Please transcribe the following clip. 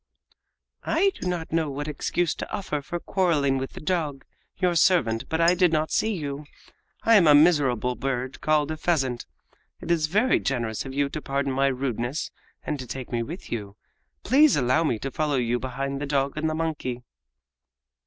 "I do not know what excuse to offer for quarreling with the dog, your servant, but I did not see you. I am a miserable bird called a pheasant. It is very generous of you to pardon my rudeness and to take me with you. Please allow me to follow you behind the dog and the monkey!"